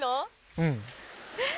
うん。えっ！